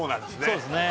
そうですね